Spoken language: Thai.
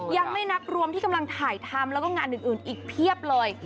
ยังไม่นับรวมที่กำลังถ่ายทำแล้วก็งานอื่นอีกเพียบเลย